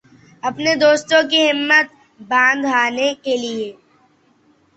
اپنے دوستوں کی ہمت بندھانے کے لئے